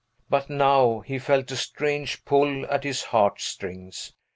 But now he felt a strange pull at his heart strings.